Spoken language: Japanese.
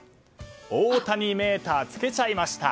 大谷メーターつけちゃいました！